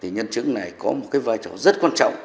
nhân chứng này có một vai trò rất quan trọng